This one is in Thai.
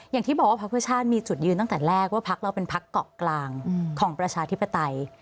อย่างที่บอกว่าพักเพื่อชาติมีจุดยืนตั้งแต่แรกว่าพักเราเป็นพักเกาะกลางของประชาธิปไตย